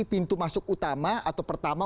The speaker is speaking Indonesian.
pintu masuk utama atau pertama